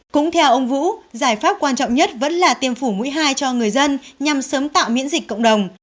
cũng theo ông vũ giải pháp quan trọng nhất vẫn là tiêm phủ mũi hai cho người dân nhằm sớm tạo miễn dịch cộng đồng